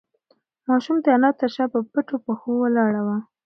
ماشوم د انا تر شا په پټو پښو ولاړ و.